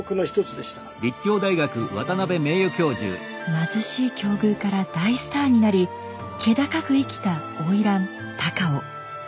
貧しい境遇から大スターになり気高く生きた花魁高尾。